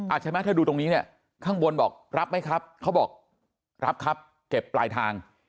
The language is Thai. ใช่ไหมถ้าดูตรงนี้เนี่ยข้างบนบอกรับไหมครับเขาบอกรับครับเก็บปลายทาง